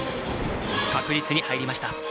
確実に入りました。